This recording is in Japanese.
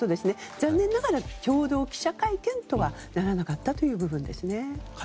残念ながら共同記者会見とはならなかったという部分ですね。